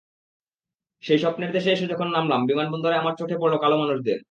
সেই স্বপ্নের দেশে এসে যখন নামলাম, বিমানবন্দরে আমার চোখে পড়ল কালো মানুষদের।